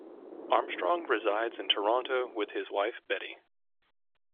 Armstrong resides in Toronto with his wife Betty.